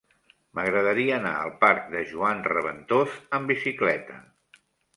M'agradaria anar al parc de Joan Reventós amb bicicleta.